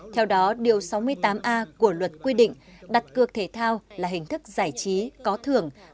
theo đó điều sáu mươi tám a của luật quy định đặt cược thể thao là hình thức giải trí có thưởng